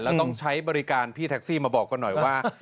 แล้วต้องใช้บริการพี่แท็กซี่มาบอกกันหน่อยว่า